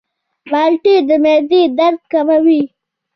مالټې د معدې درد کموي.